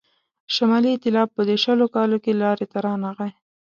شمالي ایتلاف په دې شلو کالو کې لاري ته رانغی.